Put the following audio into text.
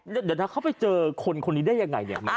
เดี๋ยวนะเขาไปเจอคนคนนี้ได้ยังไงเนี่ย